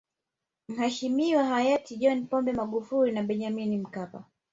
Mheshimiwa hayati John Pombe Magufuli na Benjamin William Mkapa